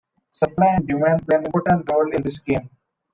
Supply and Demand play an important role in this game.